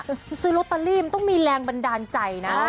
ตัวซื้อรอตาลีต้องมีแรงบันดาลใจนะ